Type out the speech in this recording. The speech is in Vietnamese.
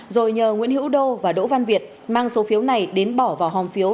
rồi nhờ nguyễn hữu đô và đỗ văn việt mang số phiếu này đến bỏ vào hòm phiếu